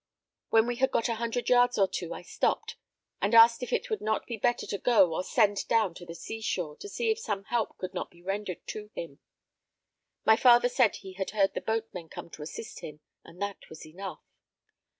When we had got a hundred yards or two, I stopped, and asked if it would not be better to go or send down to the sea shore, to see if some help could not be rendered to him. My father said he had heard the boatmen come to assist him, and that was enough."